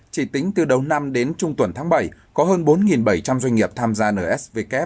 chỉ tính từ đầu năm đến trung tuần tháng bảy có hơn bốn bảy trăm linh doanh nghiệp tham gia nsvk